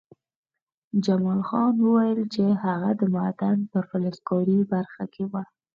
جمال خان وویل چې هغه د معدن په فلزکاري برخه کې وي